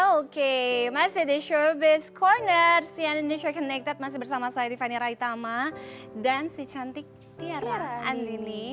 oke masih di shorbis corner sian indonesia connected masih bersama saya tiffany raitama dan si cantik tiara andini